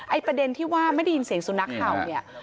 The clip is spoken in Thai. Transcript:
ประเด็นที่ว่าไม่ได้ยินเสียงสุนัขเห่าเนี่ย